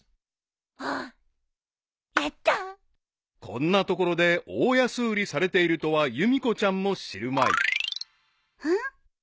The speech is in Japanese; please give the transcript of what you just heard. ［こんな所で大安売りされているとはゆみ子ちゃんも知るまい］ん？